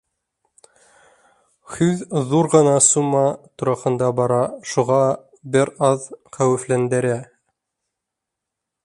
Һүҙ ҙур ғына сумма тураһында бара, шуға бер аҙ хәүефләндерә.